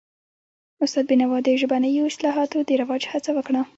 استاد بینوا د ژبنیو اصطلاحاتو د رواج هڅه وکړه.